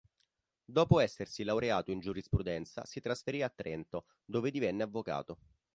Dopo essersi laureato in giurisprudenza, si trasferì a Trento dove divenne avvocato.